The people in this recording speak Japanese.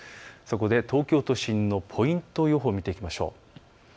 東京都心のポイント予報を見ていきましょう。